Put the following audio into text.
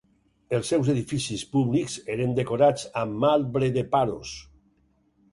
Els seus edificis públics eren decorats amb marbre de Paros.